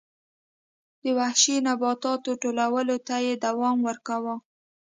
د وحشي نباتاتو ټولولو ته یې دوام ورکاوه